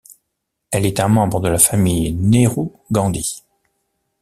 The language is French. Elle est un membre de la famille Nehru-Gandhi.